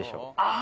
あ！